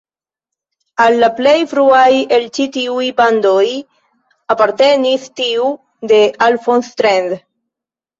Al la plej fruaj el ĉi tiuj bandoj apartenis tiu de Alphonse Trent.